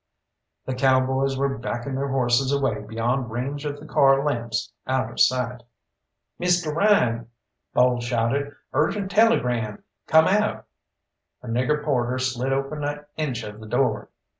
The cowboys were backing their horses away beyond range of the car lamps, out of sight. "Mr. Ryan!" Bowles shouted, "urgent telegrams! Come out!" A nigger porter slid open an inch of the door.